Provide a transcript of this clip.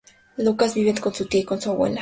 Lucas vive con su tía y con su abuela.